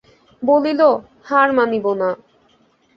বলিল, হার মানিব না।